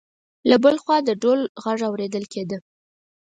له بل خوا د ډول غږ اورېدل کېده.